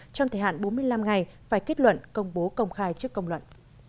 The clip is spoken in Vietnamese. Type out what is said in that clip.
trong thời hạn bốn mươi năm ngày phải kết luận công bố công khai trước công luận